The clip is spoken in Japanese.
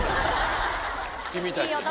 君たちに。